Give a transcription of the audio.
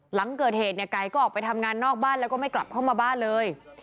หลังเกิดเหตุเนี่ยไก่ก็ออกไปทำงานนอกบ้านแล้วก็ไม่กลับเข้ามาบ้านเลย